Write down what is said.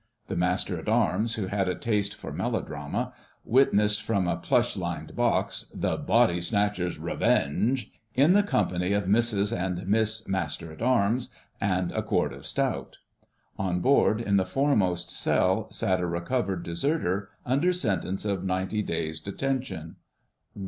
The Master at Arms, who had a taste for melodrama, witnessed from a plush lined box "The Body Snatcher's Revenge" in the company of Mrs and Miss Master at Arms and a quart of stout. On board, in the foremost cell, sat a recovered deserter under sentence of ninety days' detention.